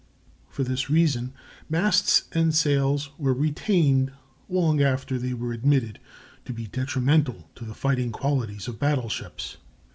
For this reason masts and sails were retained long after they were admitted to be detrimental to the fighting qualities of battle ships.